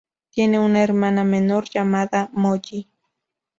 Tiene una hermana menor llamada Molly.